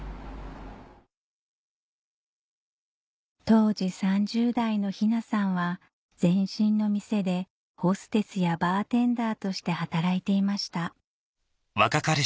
当時３０代の雛さんは前身の店でホステスやバーテンダーとして働いていました